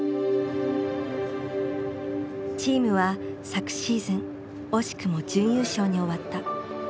チームは昨シーズン惜しくも準優勝に終わった。